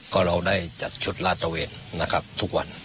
ก็เราได้จัดชุดลาสเวทนะครับทุกวัน